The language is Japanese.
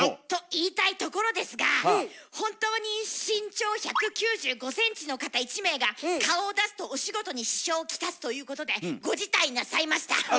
と言いたいところですが本当に身長１９５ｃｍの方１名が顔を出すとお仕事に支障を来すということでご辞退なさいました。